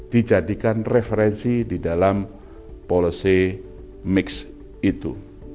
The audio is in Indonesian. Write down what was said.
dijadikan referensi di dalam policy mix itu